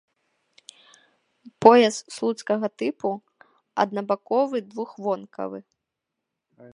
Пояс слуцкага тыпу аднабаковы двухвонкавы.